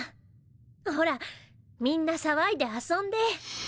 ほらみんな騒いで遊んで。